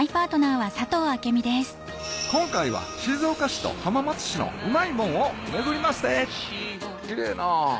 今回は静岡市と浜松市のうまいもんを巡りまっせキレイなぁ。